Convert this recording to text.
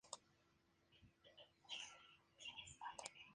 Es el sexto condado más grande de Taiwán.